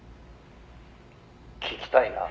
「聞きたいな」